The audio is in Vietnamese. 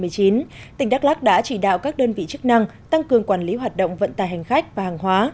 tỉnh đắk lắc đã chỉ đạo các đơn vị chức năng tăng cường quản lý hoạt động vận tài hành khách và hàng hóa